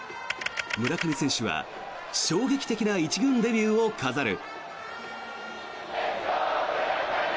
村上選手は衝撃的な１軍デビューを飾る。